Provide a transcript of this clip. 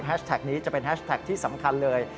นี้จะเป็นแฮชแท็กที่สำคัญเลย